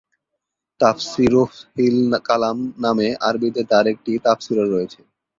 তাফসীরুফত্হিল-কালাম নামে আরবিতে তাঁর একটি তাফসিরও রয়েছে।